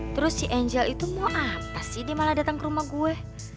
terus si angel itu mau apa sih dia malah datang ke rumah gue